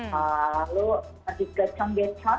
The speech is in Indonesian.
lalu pergi ke cheonggyecheon